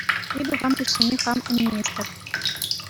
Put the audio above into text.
Эпӗ хам куҫсене хам ӗненместӗп.